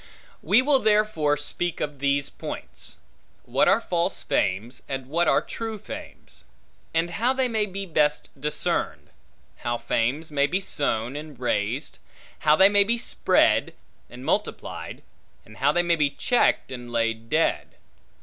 We will therefore speak of these points: What are false fames; and what are true fames; and how they may be best discerned; how fames may be sown, and raised; how they may be spread, and multiplied; and how they may be checked, and laid dead.